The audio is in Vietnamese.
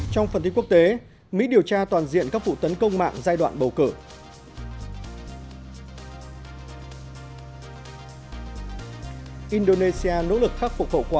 trong phần tin quốc tế mỹ điều tra toàn diện các vụ tấn công mạng giai đoạn bầu cử